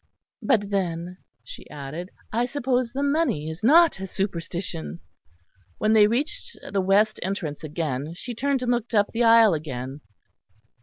But then," she added, "I suppose the money is not a superstition." When they reached the west entrance again she turned and looked up the aisle again.